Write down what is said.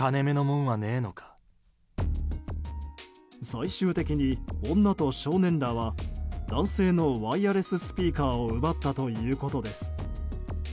最終的に女と少年らは男性のワイヤレススピーカーを奪ったということです。